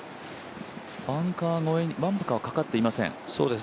バンカーにはかかっていません。